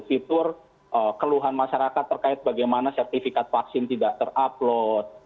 fitur keluhan masyarakat terkait bagaimana sertifikat vaksin tidak terupload